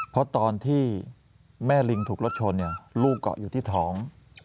เพราะตอนที่แม่ลิงถูกรถชนลูกเกาะอยู่ที่ท้อง